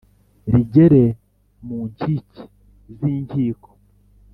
rigere mu nkiki z’inkiko